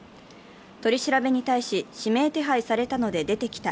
取り調べに対し、指名手配されたので出てきた。